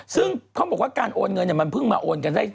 ซึ่งเขาบอกว่าการโอนเงินมันเพิ่งมาโอนกันได้